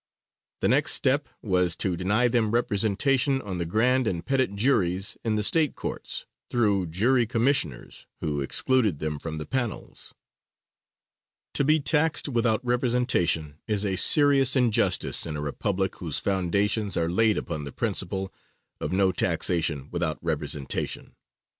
The next step was to deny them representation on the grand and petit juries in the State courts, through Jury Commissioners, who excluded them from the panels. To be taxed without representation is a serious injustice in a republic whose foundations are laid upon the principle of "no taxation without representation."